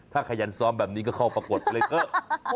ถ้าขยันซ้อมแบบนี้ก็เข้าประกวดไปเลยเถอะ